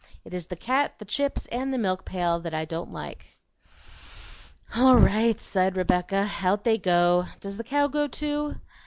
It is the cat, the chips, and the milk pail that I don't like." "All right!" sighed Rebecca. "Out they go; Does the cow go too?"